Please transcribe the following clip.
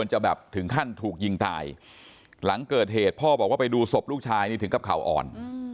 หลังเกิดเหตุพ่อบอกว่าไปดูศพลูกชายถึงกับข่าวอ่อน